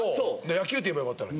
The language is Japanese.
「野球」って言えばよかったのに。